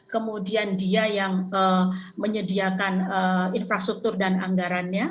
kemudian dia yang menyediakan infrastruktur dan anggarannya